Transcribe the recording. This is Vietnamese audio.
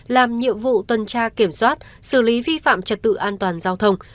làm nhiệm vụ tuần tra kiểm soát xử lý vi phạm trật tự an toàn giao thông